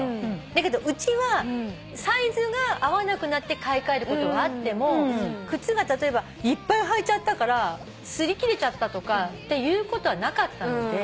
だけどうちはサイズが合わなくなって買い替えることはあっても靴が例えばいっぱい履いちゃったからすり切れちゃったとかっていうことはなかったので。